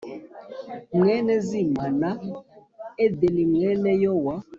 mwene Zima na Edeni mwene Yowa.